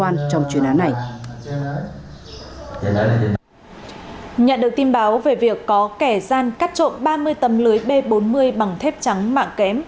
nhận được tin báo về việc có kẻ gian cắt trộm ba mươi tấm lưới b bốn mươi bằng thép trắng mạng kém